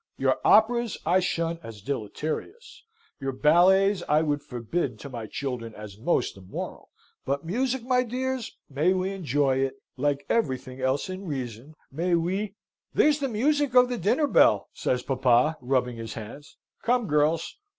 Your operas I shun as deleterious; your ballets I would forbid to my children as most immoral; but music, my dears! May we enjoy it, like everything else in reason may we " "There's the music of the dinner bell," says papa, rubbing his hands. "Come, girls.